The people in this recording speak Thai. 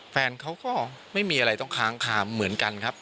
แฟนเขาก็ไม่มีอะไรต้องค้างคามเหมือนกันครับ